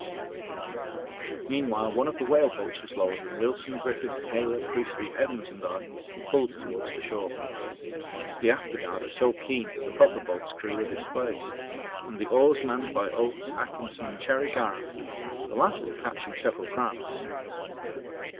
Meanwhile, one of the whale boats was lowered and Wilson, Griffith Taylor, Priestley, Evans, and I were pulled towards the shore. The after guard are so keen that the proper boat's crew was displaced and the oars manned by Oates, Atkinson, and Cherry Garrard, the latter catching several crabs.